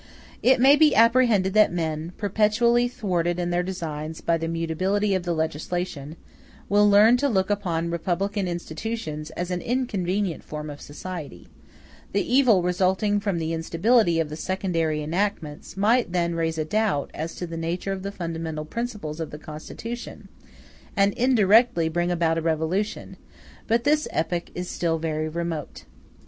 It may be apprehended that men, perpetually thwarted in their designs by the mutability of the legislation, will learn to look upon republican institutions as an inconvenient form of society; the evil resulting from the instability of the secondary enactments might then raise a doubt as to the nature of the fundamental principles of the Constitution, and indirectly bring about a revolution; but this epoch is still very remote.